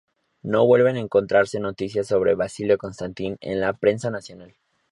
No vuelven a encontrarse noticias sobre Basilio Constantin en la prensa nacional.